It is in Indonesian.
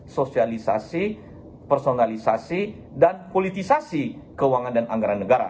sosialisasi personalisasi dan politisasi keuangan dan anggaran negara